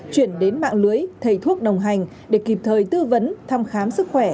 chuyển đến mạng lưới thầy thuốc đồng hành để kịp thời tư vấn thăm khám sức khỏe